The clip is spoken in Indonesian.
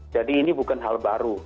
jadi ini bukan hal baru